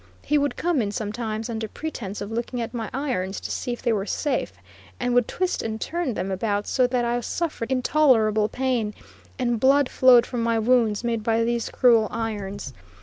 He would come in sometimes under pretence of looking at my irons to see if they were safe, and would twist and turn them about so that I suffered intolerable pain, and blood flowed from my wounds made by these cruel irons.